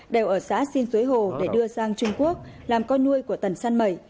đều ở xã xin suối hồ để đưa sang trung quốc làm con nuôi của tần san mẩy